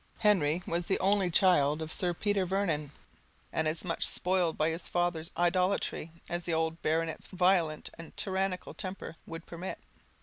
Henry was the only child of Sir Peter Vernon, and as much spoiled by his father's idolatry as the old baronet's violent and tyrannical temper would permit.